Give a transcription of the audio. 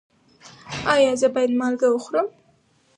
ایا زه باید مالګه وخورم؟